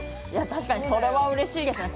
確かにそれはうれしいけどね。